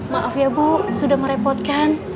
maaf ya bu sudah merepotkan